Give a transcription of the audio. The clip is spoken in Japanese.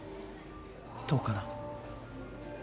どうかな？